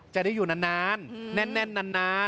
จะได้อยู่นั้น